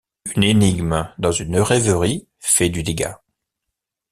Une énigme dans une rêverie fait du dégât.